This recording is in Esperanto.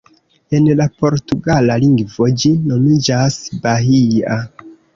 En la portugala lingvo, ĝi nomiĝas "Bahia".